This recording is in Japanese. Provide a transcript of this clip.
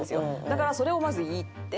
だからそれをまず言って。